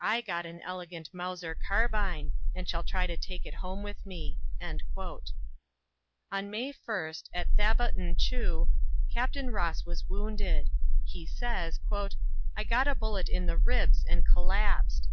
I got an elegant Mauser carbine, and shall try to take it home with me." On May 1st, at Thaba N'Chu, Capt. Ross was wounded. He says: "I got a bullet in the ribs and collapsed.